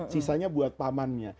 sisanya buat pamannya